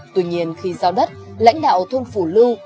tuy nhiên khi giao đất lãnh đạo thôn phủ lưu